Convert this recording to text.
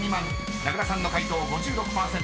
［名倉さんの解答５６％。